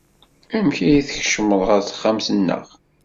Amek ay tkecmeḍ ɣer texxamt-nneɣ?